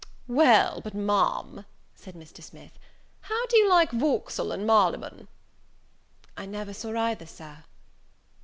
"Well, but, Ma'am," said Mr. Smith, "how do you like Vauxhall and Marybone?" "I never saw either, Sir."